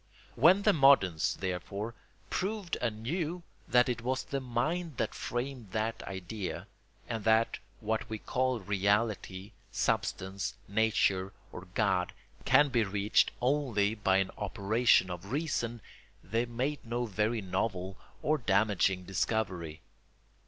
When the moderns, therefore, proved anew that it was the mind that framed that idea, and that what we call reality, substance, nature, or God, can be reached only by an operation of reason, they made no very novel or damaging discovery.